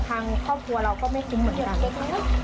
ทางครอบครัวเราก็ไม่ทิ้งเหมือนกัน